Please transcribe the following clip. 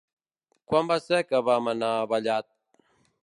Quan va ser que vam anar a Vallat?